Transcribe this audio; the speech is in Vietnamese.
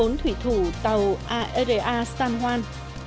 tổng thủy thủ tàu ara san juan